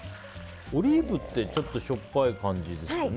オリーブってちょっとしょっぱい感じですよね。